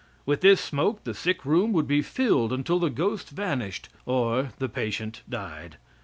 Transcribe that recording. With this smoke the sick room would be filled until the ghost vanished or the patient died.